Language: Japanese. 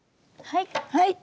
はい。